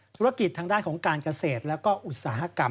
ธุรกิจทางด้านของการเกษตรแล้วก็อุตสาหกรรม